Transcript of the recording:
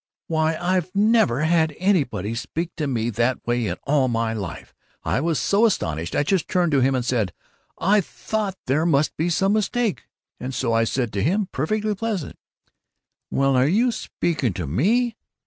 Why, I've never had anybody speak to me that way in all my life! I was so astonished I just turned to him and said I thought there must be some mistake, and so I said to him, perfectly pleasant, 'Were you speaking to me?